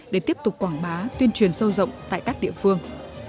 để tiếp tục quảng bá tuyên truyền sâu rộng tại các địa phương